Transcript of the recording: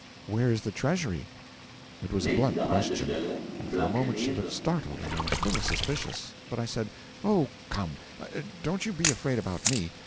'Where is the treasury?' It was a blunt question, and for a moment she looked startled and a little suspicious, but I said: 'Oh, come, don't you be afraid about me.